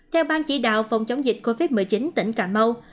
theo ban chỉ đạo phòng chống dịch covid một mươi chín tỉnh cà mau